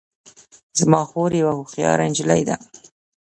زما خور یوه هوښیاره نجلۍ ده